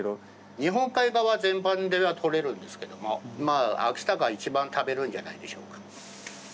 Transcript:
日本海側全般で取れるんですけどもまあ秋田が一番食べるんじゃないでしょうか。